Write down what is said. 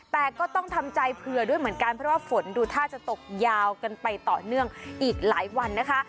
แต่ก็ต้องทำใจเผื่อด้วยเหมือนกันเพราะว่าฝนดูท่าจะตกยาวกันไปต่อเนื่องอีกหลายวันนะคะ